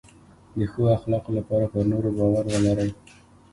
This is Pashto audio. د ښو اخلاقو لپاره پر نورو باور ولرئ.